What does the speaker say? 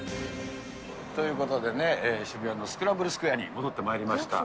ということでね、渋谷のスクランブルスクエアに戻ってまいりました。